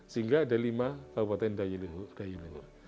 sehingga ada lima kabupaten dayi luhur